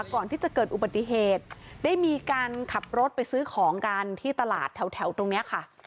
ก่อนที่จะเกิดอุบัติเหตุได้มีการขับรถไปซื้อของกันที่ตลาดแถวตรงเนี้ยค่ะ